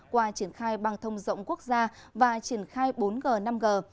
qua triển khai bằng thông rộng quốc gia và triển khai bốn g năm g